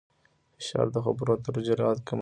فشار د خبرو اترو جرئت کموي.